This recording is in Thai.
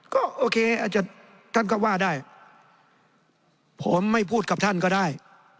ก็โอเคอาจจะท่านก็ว่าได้ผมไม่พูดกับท่านก็ได้